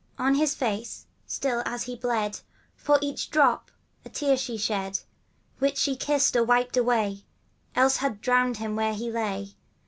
On his face, still as he bled, For each drop a tear she shed, Which she kissed or wiped away, Else had drowned him where he lay.